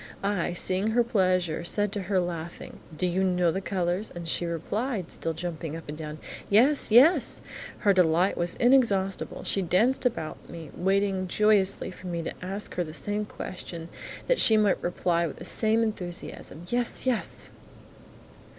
I, seeing her pleasure, said to her, laughing, "Do you know the colours?" and she replied, still jumping up and down, "Yes! YES!" Her delight was inexhaustible; she danced about me, waiting joyously for me to ask her the same question, that she might reply with the same enthusiasm, "Yes! Yes!"